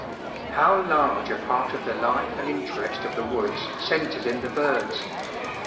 How large a part of the life and interest of the woods centers in the birds!